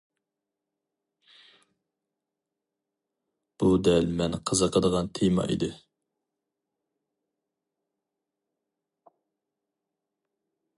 بۇ دەل مەن قىزىقىدىغان تېما ئىدى.